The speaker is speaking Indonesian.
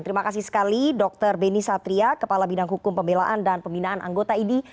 terima kasih sekali dr beni satria kepala bidang hukum pembelaan dan pembinaan anggota idi